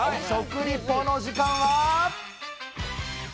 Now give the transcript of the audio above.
食リポの時間は？